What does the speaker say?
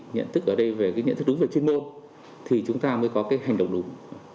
nhận thức ở đây về nhận thức đúng về chuyên môn thì chúng ta mới có hành động đúng